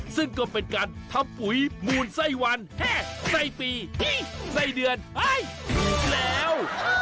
ซึ่งก็เป็นการทำปุ๋ยมูลไส้วันแห้ไส้ปีไส้เดือนเฮ้ยอีกแล้ว